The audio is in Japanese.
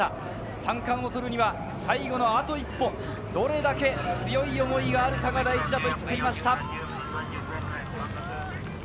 ３冠を取るには最後のあと一歩、どれだけ強い思いがあるかが大事だと言っていました。